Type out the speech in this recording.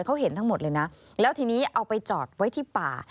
เขาเห็นทั้งหมดเลยนะแล้วทีนี้เอาไปจอดไว้ที่ป่า